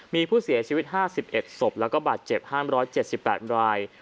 มีผู้เสียชีวิต๕๑ศพแล้วก็บาดเจ็บ๕๗๘ราย